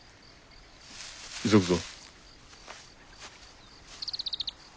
急ぐぞ。